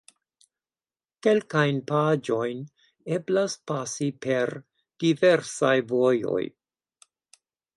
Kelkajn paĝojn eblas pasi per diversaj vojoj.